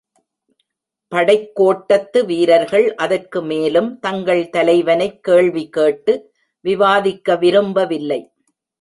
படைக்கோட்டத்து வீரர்கள் அதற்கு மேலும் தங்கள் தலைவனைக் கேள்வி கேட்டு விவாதிக்க விரும்பவில்லை.